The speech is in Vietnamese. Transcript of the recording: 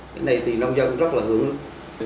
cái này thì nông dân rất là hưởng ứng